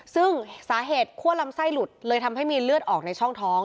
ซึ่งสาเหตุคั่วลำไส้หลุดเลยทำให้มีเลือดออกในช่องท้อง